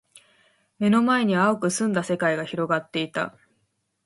目の前には蒼く澄んだ世界が広がっていた。